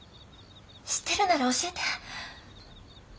知ってるなら教えて。